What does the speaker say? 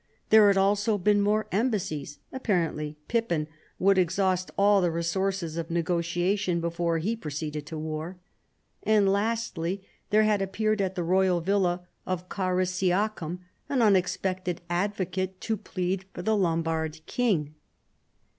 There had also been more embassies : a[) parently Pippin would exhaust all the resources of negotiation before he proceeded to war. And lastly there had appeared at the royal villa of Carisiacum an unexpected advocate to plead for the Lom bard king.